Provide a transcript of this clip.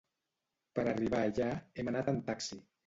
Per arribar allà hem anat en taxi.